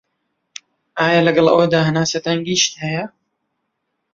ئایا لەگەڵ ئەوەدا هەناسه تەنگیشت هەیە؟